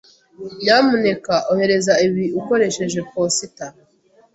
Nyamuneka ohereza ibi ukoresheje posita.